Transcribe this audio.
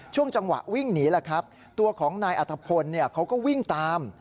ช่วงจังหวะวิ่งหนีแหละครับตัวของนายอัฐพลเขาก็วิ่งตาม